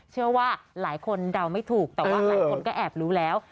เชื่อว่าหลายคนเดาไม่ถูกแต่ว่าหลายคนก็แอบรู้แล้ว